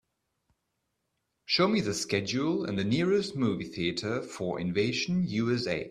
Show me the schedule in the nearest movie theatre for Invasion U.S.A..